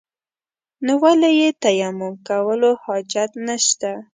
نو ولې يې تيمم کولو حاجت نشته.